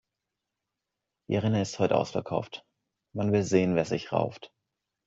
Die Arena ist heut' ausverkauft, man will sehen, wer sich rauft.